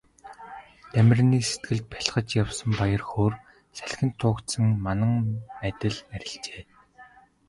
Дамираны сэтгэлд бялхаж явсан баяр хөөр салхинд туугдсан манан адил арилжээ.